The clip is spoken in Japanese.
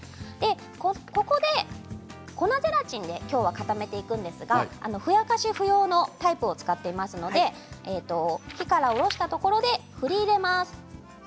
ここで粉ゼラチンできょうは固めていくんですがふやかし不要のタイプを使っていますので火から下ろしたところで振り入れます。